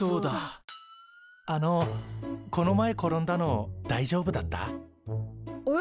あのこの前転んだのだいじょうぶだった？え？